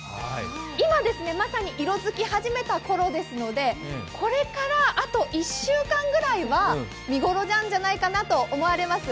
今、まさに色づき始めた頃ですのでこれからあと１週間ぐらいは見ごろなんじゃないかなと思われます。